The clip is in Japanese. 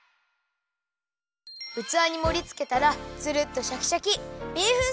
うつわにもりつけたらツルっとシャキシャキ！